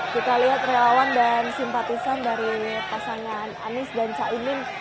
kita lihat relawan dan simpatisan dari pasangan anies dan caimin